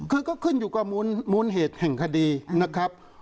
คือก็ขึ้นอยู่กับมูลเหตุแห่งคดีนะครับ